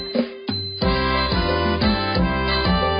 โฮฮะไอ้ยะฮู้ไอ้ยะ